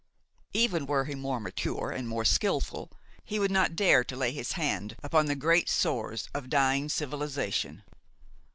Even were he more mature and more skilful, he would not dare to lay his hand upon the great sores of dying civilization.